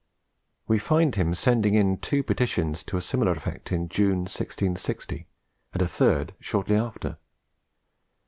We find him sending in two petitions to a similar effect in June, 1660; and a third shortly after.